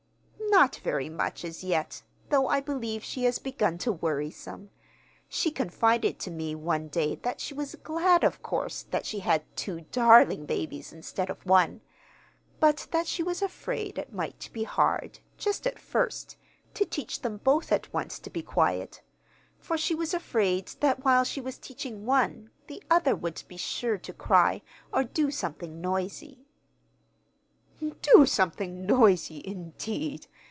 "Not very much, as yet, though I believe she has begun to worry some. She confided to me one day that she was glad, of course, that she had two darling babies, instead of one; but that she was afraid it might be hard, just at first, to teach them both at once to be quiet; for she was afraid that while she was teaching one, the other would be sure to cry, or do something noisy." "Do something noisy, indeed!"